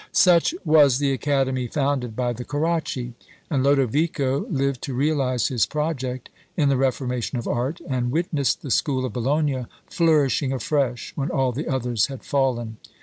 Such was the academy founded by the Caracci; and Lodovico lived to realise his project in the reformation of art, and witnessed the school of Bologna flourishing afresh when all the others had fallen.